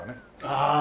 ああ。